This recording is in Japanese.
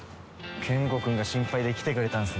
ケンゴくんが心配で来てくれたんすね。